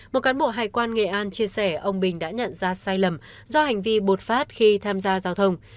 một cán bộ hải quan nghệ an chia sẻ ông bình đã nhận ra sai lầm do hành vi bột phát khi tham gia giao thông